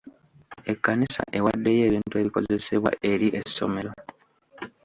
Ekkanisa ewaddeyo ebintu ebikozesebwa eri essomero.